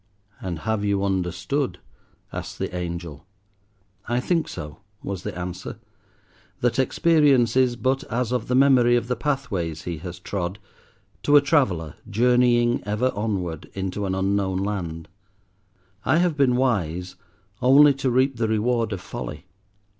"And have you understood?" asked the angel. "I think so," was the answer; "that experience is but as of the memory of the pathways he has trod to a traveller journeying ever onward into an unknown land. I have been wise only to reap the reward of folly.